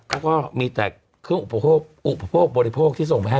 เขาก็มีแต่เครื่องอุปโภคบริโภคที่ส่งไปให้